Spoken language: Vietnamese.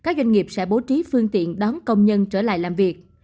các doanh nghiệp sẽ bố trí phương tiện đón công nhân trở lại làm việc